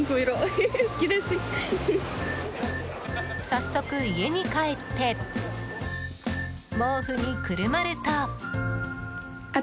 早速、家に帰って毛布にくるまると。